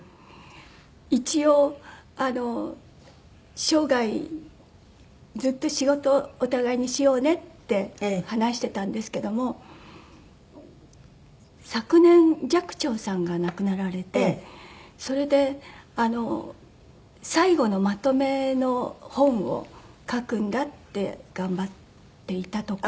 一応あの「生涯ずっと仕事お互いにしようね」って話してたんですけども昨年寂聴さんが亡くなられてそれで最後のまとめの本を書くんだって頑張っていたところ。